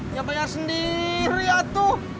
nggak bayar sendiri atuh